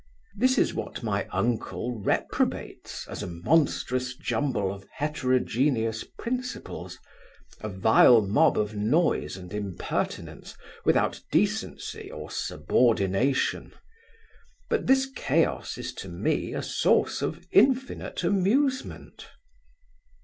This is what my uncle reprobates, as a monstrous jumble of heterogeneous principles; a vile mob of noise and impertinence, without decency or subordination. But this chaos is to me a source of infinite amusement.